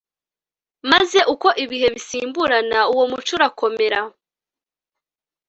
maze uko ibihe bisimburana, uwo muco urakomera